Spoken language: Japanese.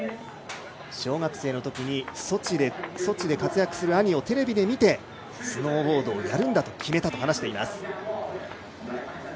小学生のときにソチで活躍する兄をテレビで見て、スノーボードをやるんだと決めたと話しています。